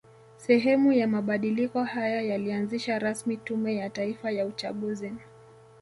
Sehemu ya mabadiliko haya yalianzisha rasmi Tume ya Taifa ya Uchaguzi